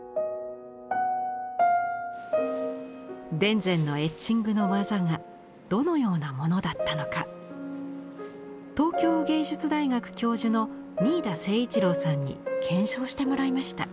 田善のエッチングの技がどのようなものだったのか東京藝術大学教授の三井田盛一郎さんに検証してもらいました。